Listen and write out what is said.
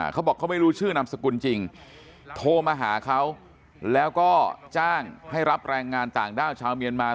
เขาบอกเขาไม่รู้ชื่อนามสกุลจริงโทรมาหาเขาแล้วก็จ้างให้รับแรงงานต่างด้าวชาวเมียนมา